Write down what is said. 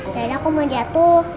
dara ku mau jatuh